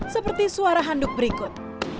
seperti suara handuk berikut